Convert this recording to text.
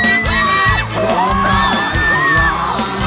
คุณสอดพงษ์ได้ล้อม